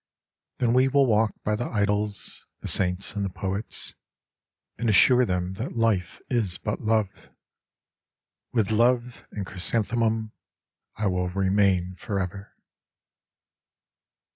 Then we will walk by the idols — the saint's and the poet's, And assure them that Life is but Love ; With Love and chrysanthemum I will remain forever.